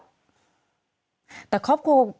ทุกฝ่ายเลยค่ะของครอบครัวเราอ่ะ